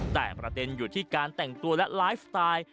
แต่ประเด็นอยู่ที่การแต่งตัวและไลฟ์สไตล์